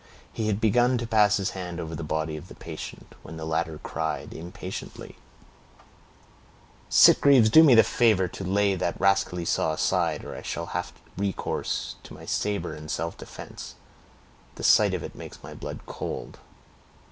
He had begun to pass his hand over the body of his patient, when the latter cried impatiently,— "Sitgreaves, do me the favor to lay that rascally saw aside, or I shall have recourse to my saber in self defense; the sight of it makes my blood cold."